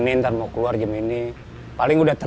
yang tidak memiliki garasi